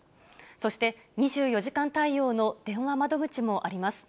そして、２４時間対応の電話窓口もあります。